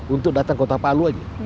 untuk datang ke kota palu aja